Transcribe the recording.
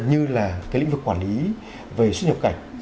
như là cái lĩnh vực quản lý về xuất nhập cảnh